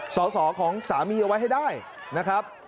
สอสอของสามีเอาไว้ให้ได้นะครับ